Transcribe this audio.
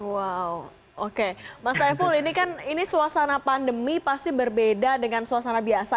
wow oke mas saiful ini kan ini suasana pandemi pasti berbeda dengan suasana biasa